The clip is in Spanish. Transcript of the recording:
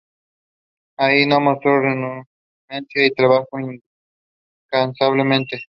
Allí no mostró renuencia y trabajó incansablemente.